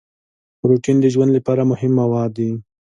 پروټین د ژوند لپاره مهم مواد دي